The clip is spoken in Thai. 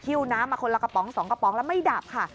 น้ำมาคนละกระป๋อง๒กระป๋องแล้วไม่ดับค่ะ